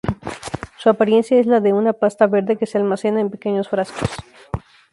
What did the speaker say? Su apariencia es la de una pasta verde que se almacena en pequeños frascos.